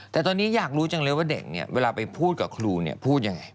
แต่ตอนนี้อยากรู้จังเลยว่าเด็กเนี่ยเวลาไปพูดกับครูเนี่ยพูดยังไง